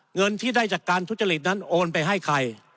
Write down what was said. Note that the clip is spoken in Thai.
เงินที่ได้จากการทุจริตนั้นโอนไปให้ใคร